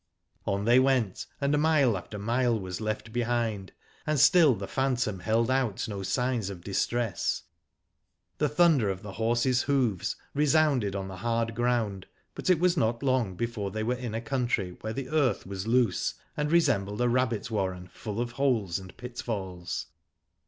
On they went, and mile after mile was left behind, and still the phantom held out no signs of distress. The thunder of the horses' hoofs resounded on the hard ground, but it was not long before they were in a country where the earth was loose, and resembled a rabbit warren full of holes and pit falls.